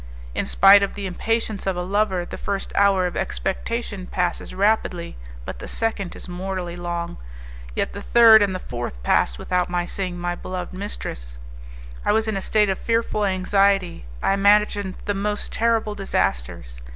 In spite of the impatience of a lover, the first hour of expectation passes rapidly, but the second is mortally long. Yet the third and the fourth passed without my seeing my beloved mistress. I was in a state of fearful anxiety; I imagined the most terrible disasters.